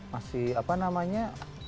masih apa namanya